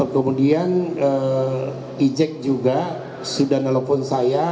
kemudian ejek juga sudah nelfon saya